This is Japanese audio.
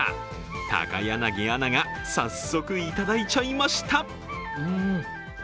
高柳アナが早速いただいちゃいました。